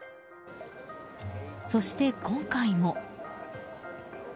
そして、今回も。